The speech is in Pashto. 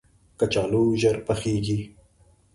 کچالو ژر پخیږي